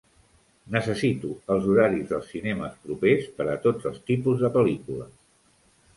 Necessito els horaris dels cinemes propers per a tots els tipus de pel·lícules